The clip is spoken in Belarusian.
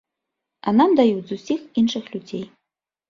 А нам даюць зусім іншых людзей.